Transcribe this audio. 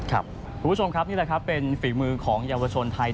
คุณผู้ชมครับนี่แหละครับเป็นฝีมือของเยาวชนไทย